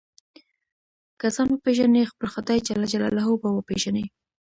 که ځان وپېژنې خپل خدای جل جلاله به وپېژنې.